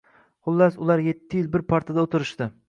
Xullas, ular yetti yil bir partada o‘tirishdi.